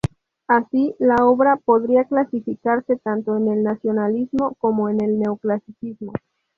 Así, la obra podría clasificarse tanto en el nacionalismo como en el neoclasicismo.